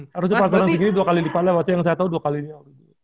harusnya pasaran segini dua kali lipat lah waktu yang saya tau dua kali lipat